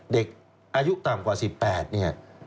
เด็กอายุต่ำกว่า๑๘เนี่ย